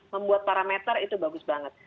membuat parameter itu bagus banget